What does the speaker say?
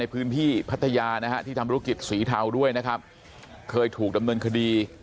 พื้นที่พัทยานะฮะที่ทำธุรกิจสีเทาด้วยนะครับเคยถูกดำเนินคดี